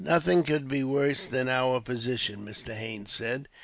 "Nothing could be worse than our position," Mr. Haines said.